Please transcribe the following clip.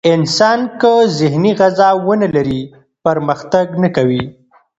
انسان که ذهني غذا ونه لري، پرمختګ نه کوي.